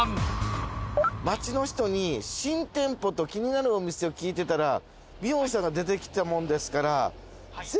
街の人に新店舗と気になるお店を聞いてたらヴィヨンさんが出てきたもんですから。